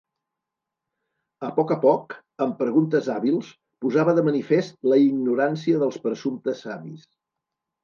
A poc a poc, amb preguntes hàbils posava de manifest la ignorància dels presumptes savis.